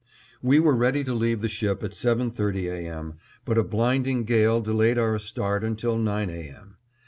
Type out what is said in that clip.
We were ready to leave the ship at seven thirty A. M., but a blinding gale delayed our start until nine A. M.